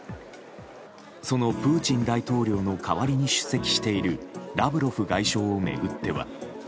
そのプーチン大統領の代わりに出席しているラブロフ外相を巡っては。